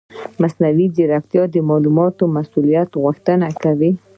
مصنوعي ځیرکتیا د معلوماتي مسؤلیت غوښتنه کوي.